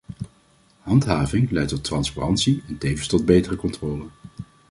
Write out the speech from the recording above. Handhaving leidt tot transparantie en tevens tot betere controle.